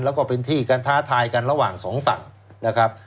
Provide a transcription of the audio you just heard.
แล้วก็เป็นที่การท้าทายกันระหว่างสองฝั่งนะครับ